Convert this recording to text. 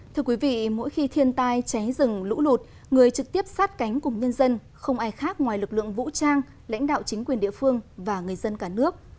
thưa quý vị mỗi khi thiên tai cháy rừng lũ lụt người trực tiếp sát cánh cùng nhân dân không ai khác ngoài lực lượng vũ trang lãnh đạo chính quyền địa phương và người dân cả nước